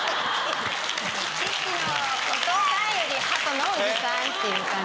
「ちっちのお父さん」より「ハトのおじさん」っていう感じ。